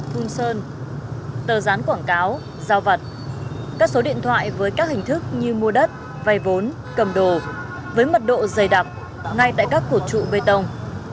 thu sơn tờ rán quảng cáo giao vật các số điện thoại với các hình thức như mua đất vay vốn cầm đồ với mật độ dày đặc ngay tại các cột trụ bê tông